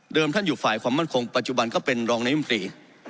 ท่านอยู่ฝ่ายความมั่นคงปัจจุบันก็เป็นรองนายมตรี